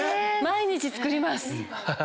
毎日作ります！